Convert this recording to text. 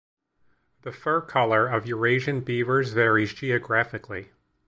The fur colour of Eurasian beavers varies geographically.